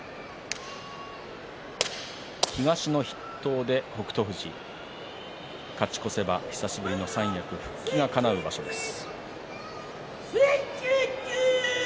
東の筆頭で北勝富士、勝ち越せば久しぶりの三役復帰がかなう場所です。